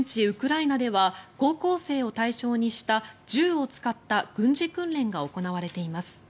ウクライナでは高校生を対象にした銃を使った軍事訓練が行われています。